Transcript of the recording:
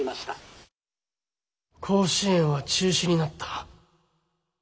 甲子園は中止になった。